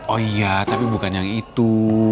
oh iya tapi bukan yang itu